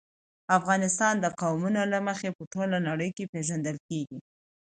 افغانستان د قومونه له مخې په ټوله نړۍ کې پېژندل کېږي.